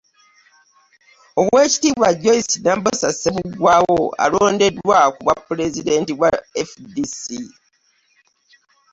Oweekitiibwa Joyce Nabbosa Ssebuggwawo alondeddwa ku bwa pulezidenti bwa FDC